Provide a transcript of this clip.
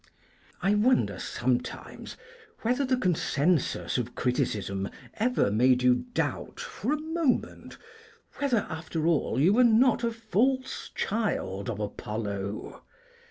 I wonder, sometimes, whether the consensus of criticism ever made you doubt for a moment whether, after all, you were not a false child of Apollo?